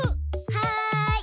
はい。